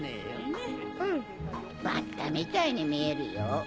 バッタみたいに見えるよ。